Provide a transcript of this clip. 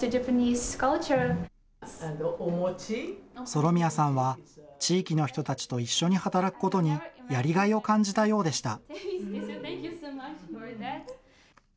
ソロミアさんは、地域の人たちと一緒に働くことにやりがいを感じたようでした。